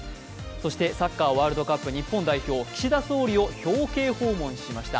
そして、サッカーワールドカップ日本代表、岸田総理を表敬訪問しました。